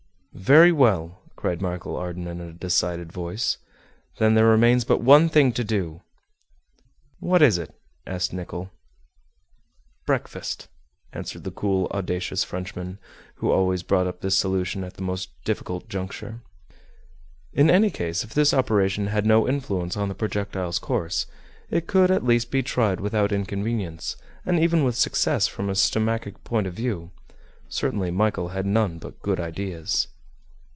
"Very well," cried Michel Ardan in a decided voice; "then their remains but one thing to do." "What is it?" asked Nicholl. "Breakfast," answered the cool, audacious Frenchman, who always brought up this solution at the most difficult juncture. In any case, if this operation had no influence on the projectile's course, it could at least be tried without inconvenience, and even with success from a stomachic point of view. Certainly Michel had none but good ideas.